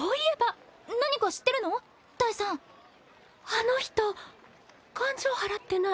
あの人勘定払ってない。